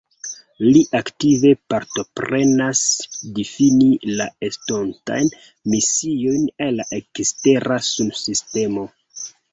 Li aktive partoprenas difini la estontajn misiojn al la ekstera sunsistemo.